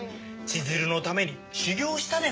千鶴のために修業したでござる。